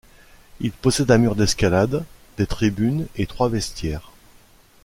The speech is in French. Il possède un mur d'escalade, des tribunes et trois vestiaires.